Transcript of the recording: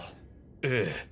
ええ。